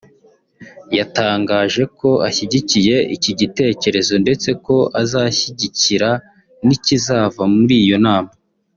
yatangaje ko ashyigikiye iki gitekerezo ndetse ko azashyigikira n’ikizava muri iyo nama